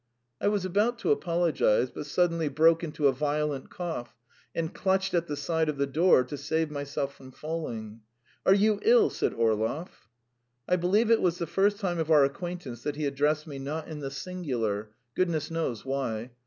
I was about to apologise, but suddenly broke into a violent cough, and clutched at the side of the door to save myself from falling. "Are you ill?" said Orlov. I believe it was the first time of our acquaintance that he addressed me not in the singular goodness knows why.